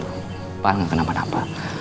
pak rindy nggak kenapa kenapa